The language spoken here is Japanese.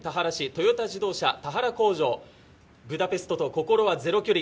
トヨタ自動車、田原工場、ブダペストと心はゼロ距離